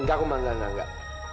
enggak aku bangga enggak enggak